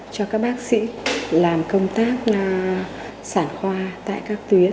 cho các bác sĩ làm công tác sản khoa tại các tuyến